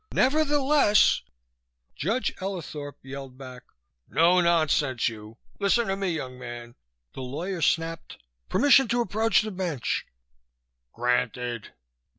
Nevertheless " Judge Ellithorp yelled back: "No nonsense, you! Listen to me, young man " The lawyer snapped, "Permission to approach the bench." "Granted."